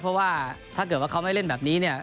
เพราะว่าถ้าเกิดว่าเขาไม่เล่นแบบนี้เนี่ย